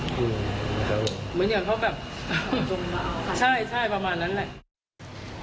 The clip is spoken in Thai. เหมือนอย่างเขาแบบใช่ใช่ประมาณนั้นแหละ